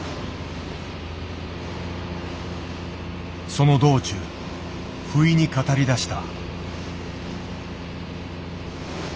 その道中不意に語りだした。